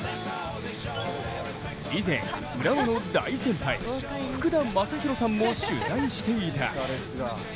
以前、浦和の大先輩福田正博さんも取材していた。